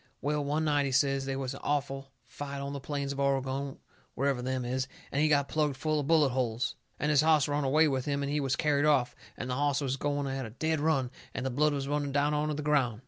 Well, one night he says, they was an awful fight on the plains of Oregon, wherever them is, and he got plugged full of bullet holes. And his hoss run away with him and he was carried off, and the hoss was going at a dead run, and the blood was running down onto the ground.